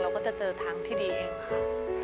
ก็จะเจอทางที่ดีเองค่ะ